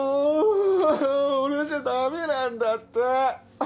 俺じゃ駄目なんだって。